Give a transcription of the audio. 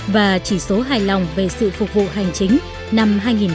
và chỉ số hài lòng về sự phục vụ hành chính năm hai nghìn một mươi chín